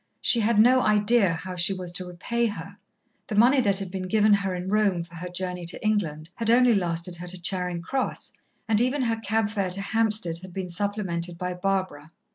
She had no idea how she was to repay her. The money that had been given her in Rome for her journey to England had only lasted her to Charing Cross, and even her cab fare to Hampstead had been supplemented by Barbara.